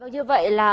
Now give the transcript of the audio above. vâng như vậy là